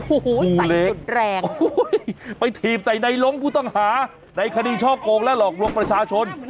โอ้โหใส่สุดแรงไปถีบใส่ในล้งผู้ต้องหาในคดีช่อโกงและหลอกลวงประชาชน